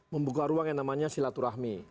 membuka ruang yang namanya silaturahmi